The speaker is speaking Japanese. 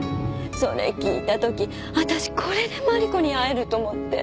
それ聞いた時私これでマリコに会えると思って。